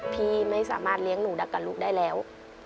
พี่ไม่สามารถเลี้ยงหนูนักกับลูกได้แล้ว